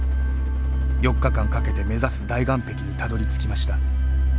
４日間かけて目指す大岩壁にたどりつきました。